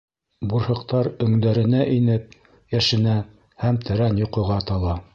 Бурһыҡтар өңдәренә инеп йәшенә һәм тәрән йоҡоға тала.